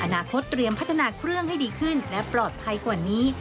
เตรียมพัฒนาเครื่องให้ดีขึ้นและปลอดภัยกว่านี้